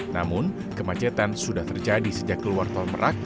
namun kemacetan sudah terjadi sejak keluar tol merak